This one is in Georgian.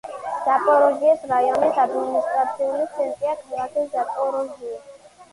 ზაპოროჟიეს რაიონის ადმინისტრაციული ცენტრია ქალაქი ზაპოროჟიე.